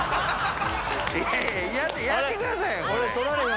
やってくださいよ。